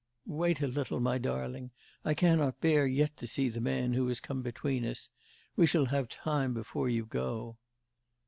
'Wait a little, my darling, I cannot bear yet to see the man who has come between us. We shall have time before you go.